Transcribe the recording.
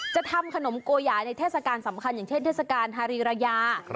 จะทำขนมโกหยาในเทศกาลสำคัญอย่างเช่นเทศกาลฮารีรายา